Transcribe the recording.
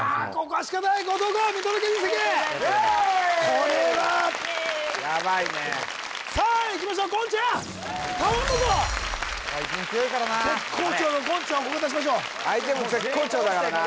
これはヤバいねさあいきましょう言ちゃん頼んだぞあいつも強いからな絶好調の言ちゃんをここで出しましょう相手も絶好調だからな・